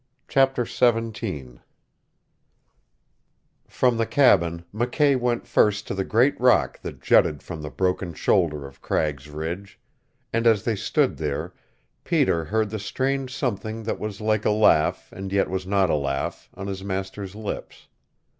CHAPTER XVII From the cabin McKay went first to the great rock that jutted from the broken shoulder of Cragg's Ridge, and as they stood there Peter heard the strange something that was like a laugh, and yet was not a laugh, on his master's lips.